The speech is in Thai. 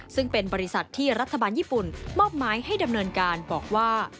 ซึ่งเป็นบริษัทที่รัฐบาลญี่ปุ่นมอบหมายให้ดำเนินการบอกว่า